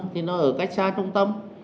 thì nó ở cách xa trung tâm